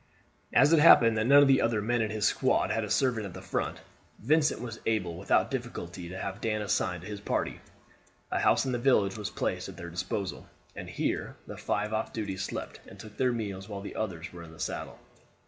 As it happened that none of the other men in his squad had a servant at the front, Vincent was able without difficulty to have Dan assigned to his party. A house in the village was placed at their disposal, and here the five off duty slept and took their meals while the others were in the saddle.